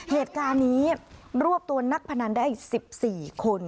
เหตุการณ์นี้รวบตัวนักพนันได้๑๔คน